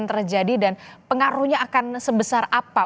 yang terjadi dan pengaruhnya akan sebesar apa